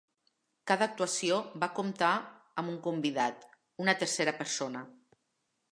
Cada actuació va comptar amb un convidat: una tercera persona.